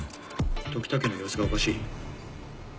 時田家の様子がおかしい。